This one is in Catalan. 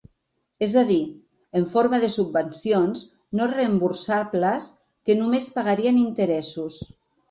És a dir, en forma de subvencions no reemborsables que només pagarien interessos.